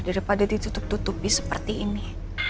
daripada ditutup tutupi seperti ini